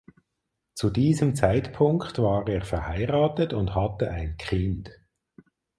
Zu diesem Zeitpunkt war er verheiratet und hatte ein Kind.